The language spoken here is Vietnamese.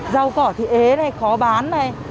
rau cỏ thì ế này khó bán này